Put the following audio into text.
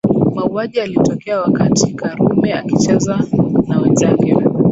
Mauaji yalitokea wakati Karume akicheza na wenzake